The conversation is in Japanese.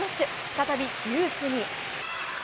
再びデュースに。